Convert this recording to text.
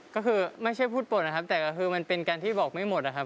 ก็คือไม่ใช่พูดปลดนะครับแต่ก็คือมันเป็นการที่บอกไม่หมดนะครับ